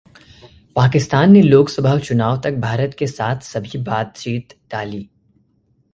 पाकिस्तान ने लोकसभा चुनाव तक भारत के साथ सभी बातचीत टाली